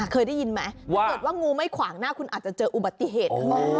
เคยได้ยินไหมถ้าเกิดว่างูไม่ขวางหน้าคุณอาจจะเจออุบัติเหตุข้างหน้า